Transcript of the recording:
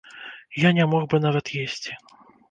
Я не мог бы нават есці.